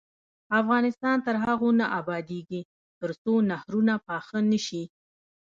افغانستان تر هغو نه ابادیږي، ترڅو نهرونه پاخه نشي.